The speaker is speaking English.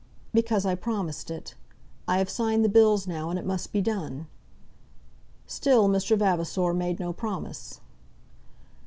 "Because I promised it. I have signed the bills now, and it must be done." Still Mr. Vavasor made no promise.